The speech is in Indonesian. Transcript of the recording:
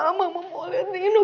mama memulihkan nino